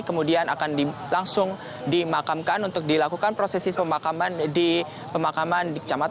kemudian akan langsung dimakamkan untuk dilakukan prosesi pemakaman di pemakaman di kecamatan cibaung bandung jawa barat